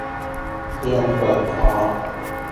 เตรียมเปิดคอร์ส